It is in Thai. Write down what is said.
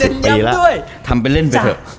แต่มาเน้นย้ำด้วย